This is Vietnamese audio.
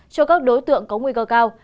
cho các đối tượng có nguy cơ cao